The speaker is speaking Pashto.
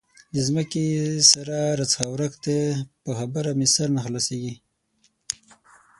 د ځمکې سره راڅخه ورک دی؛ په خبره مې سر نه خلاصېږي.